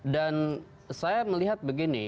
dan saya melihat begini